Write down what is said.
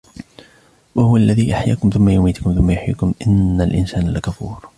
وهو الذي أحياكم ثم يميتكم ثم يحييكم إن الإنسان لكفور